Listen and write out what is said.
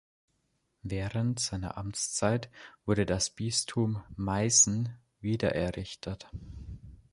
Während seiner Amtszeit wurde das Bistum Meißen wiedererrichtet.